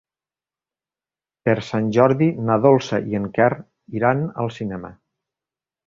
Per Sant Jordi na Dolça i en Quer iran al cinema.